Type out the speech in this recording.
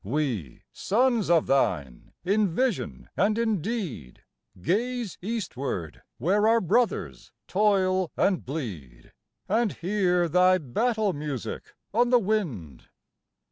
We, sons of thine in vision and in deed, Gaze eastward, where our brothers toil and bleed, And hear thy battle music on the wind.